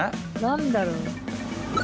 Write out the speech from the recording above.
何だろう？